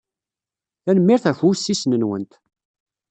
Tanemmirt ɣef wussisen-nwent.